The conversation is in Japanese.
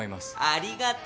ありがと。